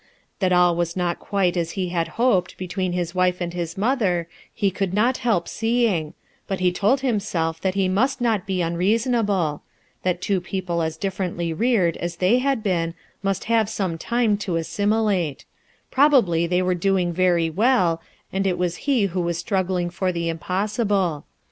That all was not quite as he had hoped between his wife and his mother he could not help seeing, but he told himself that he must not be un reasonable; that two people as differently reared as they had been must have time to assimilate; probably they were doing very well, and it was he who was struggling for the impossible.